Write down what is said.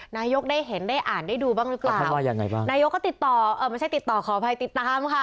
นายกได้เห็นได้อ่านได้ดูบ้างหรือเปล่าท่านว่ายังไงบ้างนายกก็ติดต่อเออไม่ใช่ติดต่อขออภัยติดตามค่ะ